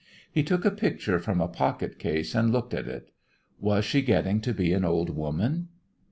He took a picture from a pocket case and looked at that. Was she getting to be an old woman?